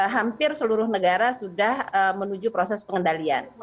hampir seluruh negara sudah menuju proses pengendalian